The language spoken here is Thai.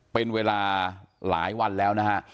เป็นเวลาหลายวันแล้วนะฮะ